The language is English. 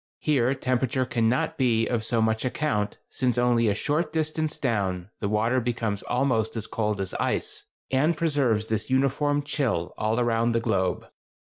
Here temperature cannot be of so much account, since only a short distance down, the water becomes almost as cold as ice, and preserves this uniform chill all around the globe.